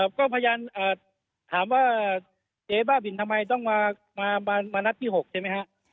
ก็พยายามถามว่าเจ๊บ้าบินทำไมต้องมานัดที่๖ใช่ไหมฮะ